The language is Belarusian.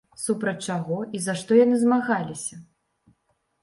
Супраць чаго і за што яны змагаліся?